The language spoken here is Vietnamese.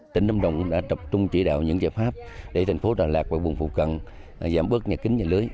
tỉnh lâm đồng cũng đã tập trung chỉ đạo những giải pháp để thành phố đà lạt và vùng phù cận giảm bớt nhà kính nhà lưới